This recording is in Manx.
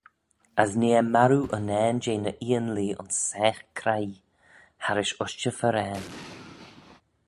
As nee eh marroo unnane jeh ny eeanlee ayns saagh craie, harrish ushtey-farrane.